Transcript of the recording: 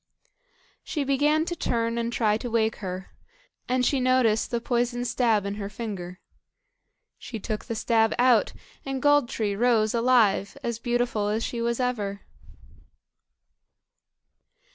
She began to turn and try to wake her, and she noticed the poisoned stab in her finger. She took the stab out, and Gold tree rose alive, as beautiful as she was ever.